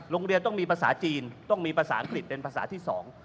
โรงเรียนต้องมีภาษาจีนต้องมีภาษาอังกฤษเป็นภาษาที่สอง